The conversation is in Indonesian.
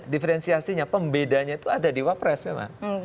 diferensiasinya pembedanya itu ada di wapres memang